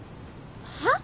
はっ？